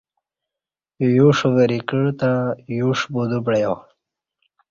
یوݜ وری کعتں یوݜ بُدو پعیا